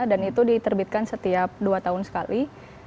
dan itu diterbitkan setiap dua tahun sekali